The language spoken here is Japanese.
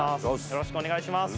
よろしくお願いします